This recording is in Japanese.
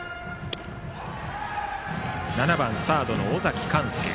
打者は７番サードの尾崎寛介。